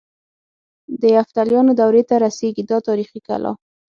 د یفتلیانو دورې ته رسيږي دا تاریخي کلا.